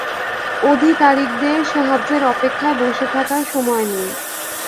আধিকারিকদের সাহায্যের অপেক্ষায় বসে থাকার সময় নেই।